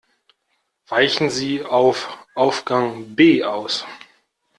Weichen Sie auf Aufgang B aus.